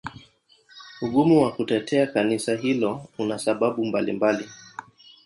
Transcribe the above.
Ugumu wa kutetea Kanisa hilo una sababu mbalimbali.